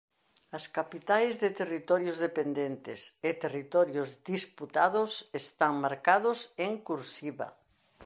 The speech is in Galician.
As capitais de territorios dependentes e territorios disputados están marcados en "cursiva".